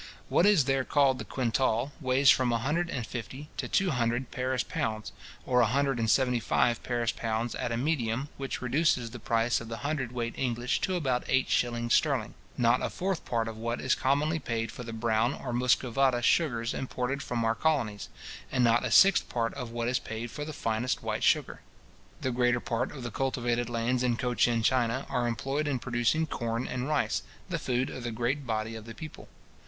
What is there called the quintal, weighs from a hundred and fifty to two hundred Paris pounds, or a hundred and seventy five Paris pounds at a medium, which reduces the price of the hundred weight English to about eight shillings sterling; not a fourth part of what is commonly paid for the brown or muscovada sugars imported from our colonies, and not a sixth part of what is paid for the finest white sugar. The greater part of the cultivated lands in Cochin China are employed in producing corn and rice, the food of the great body of the people.